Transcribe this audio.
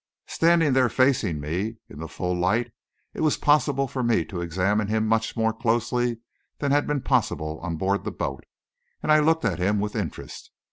Standing there facing me, in the full light, it was possible for me to examine him much more closely than had been possible on board the boat, and I looked at him with interest.